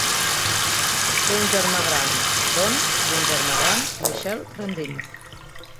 Té un germà gran, Don, i un germà gran, Michael Rendine.